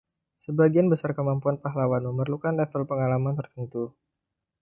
Sebagian besar kemampuan pahlawan memerlukan level pengalaman tertentu.